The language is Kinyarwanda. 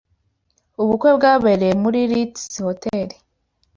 Ubukwe bwabereye muri Ritz Hotel.